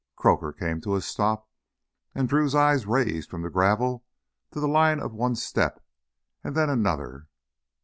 Croaker came to a stop, and Drew's eyes raised from the gravel to the line of one step and then another.